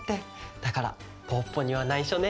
だからポッポにはないしょね。